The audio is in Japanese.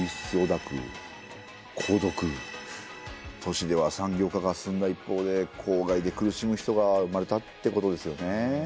都市では産業化が進んだ一方で公害で苦しむ人が生まれたってことですよね。